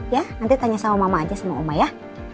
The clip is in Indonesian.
ya nanti tanya sama mama aja sama oma ya